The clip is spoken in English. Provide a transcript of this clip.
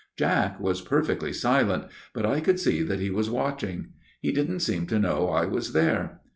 " Jack was perfectly silent, but I could see that he was watching. He didn't seem to know I was there.